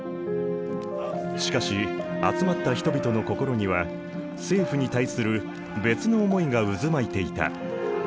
しかし集まった人々の心には政府に対する別の思いが渦巻いていた。